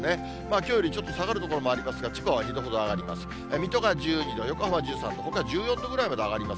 きょうよりちょっと下がる所もありますが、千葉は２度ほど上がります。